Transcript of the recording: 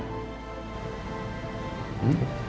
gak usah bahasa bahasa sih